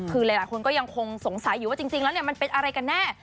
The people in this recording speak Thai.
คือหลายคนก็ยังคงสงสัยอยู่ว่าจริงแล้วมันเป็นอะไรกันแน่